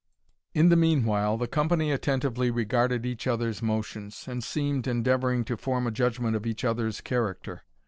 In the meanwhile, the company attentively regarded each other's motions, and seemed endeavouring to form a judgment of each other's character.